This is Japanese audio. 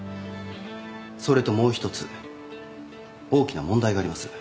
それともう一つ大きな問題があります。